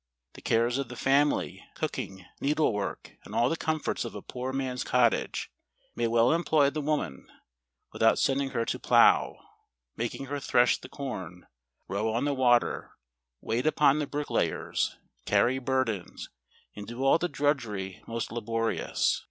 The cares of the family, cooking, needle work, and all the comforts of a poor man's cot¬ tage, may well employ the woman; without sending her to plough, making her thresh the corn, row on the water, w'ait upon the bricklay¬ ers, carry burdens, and do all the drudgery most laborious.